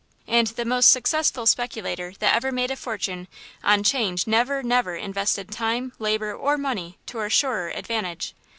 And the most successful speculator that ever made a fortune on 'change never, never invested time, labor or money to a surer advantage.